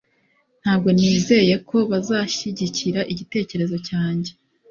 Ntabwo nizeye ko bazashyigikira igitekerezo cyanjye